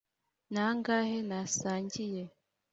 nangahe nasangiye,